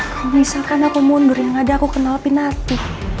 kalau misalkan aku mundur yang ada aku kena alpinati